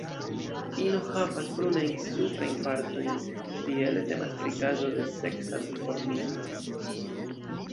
Ino havas brunajn suprajn partojn, tiele temas pri kazo de seksa duformismo.